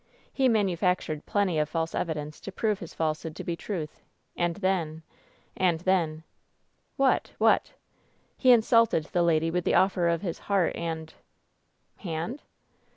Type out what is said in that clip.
He manufactured plenty of false evidence to prove his false hood to be truth, and then — and then " "What ? what ?" "He insulted the lady with the offer of his heart and " "Hand